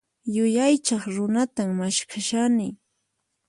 Yuyaychaq runatan maskhashani.